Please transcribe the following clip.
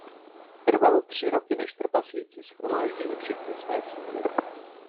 Trvalo tři roky než trpaslíci shromáždili všechny své síly.